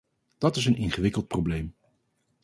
Dat is een ingewikkeld probleem.